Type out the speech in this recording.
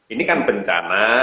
ini kan bencana